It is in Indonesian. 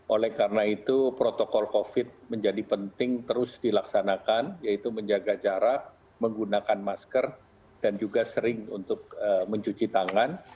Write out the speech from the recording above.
oleh karena itu protokol covid menjadi penting terus dilaksanakan yaitu menjaga jarak menggunakan masker dan juga sering untuk mencuci tangan